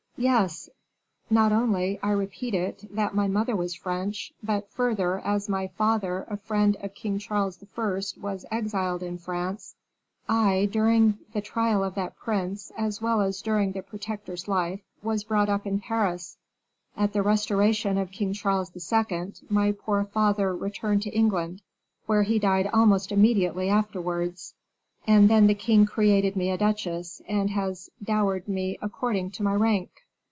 "Yes, not only, I repeat it, that my mother was French, but, further, as my father, a friend of King Charles I., was exiled in France, I, during the trial of that prince, as well as during the Protector's life, was brought up in Paris; at the Restoration of King Charles II., my poor father returned to England, where he died almost immediately afterwards; and then the king created me a duchess, and has dowered me according to my rank.